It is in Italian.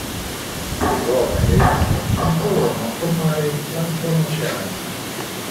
Le uova e le larve concorrono a formare il plancton oceanico.